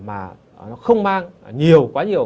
mà nó không mang nhiều quá nhiều